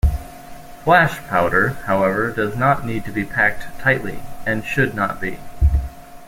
Flash powder, however, does not need to be packed tightly, and should not be.